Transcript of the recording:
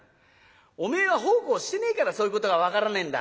「おめえは奉公してねえからそういうことが分からねえんだ。